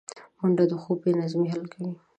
منډه د خوب بې نظمۍ حل کوي